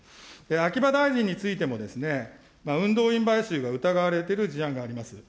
秋葉大臣についてもですね、運動員買収が疑われている事案があります。